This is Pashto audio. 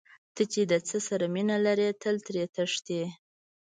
ته چې د څه سره مینه لرې تل ترې تښتې.